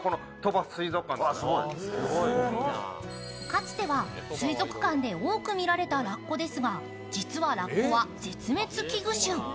かつては水族館で多く見られたラッコですが、実はラッコは絶滅危惧種。